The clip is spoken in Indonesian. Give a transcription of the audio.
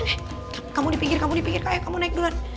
eh kamu di pinggir kamu di pinggir kakek kamu naik duluan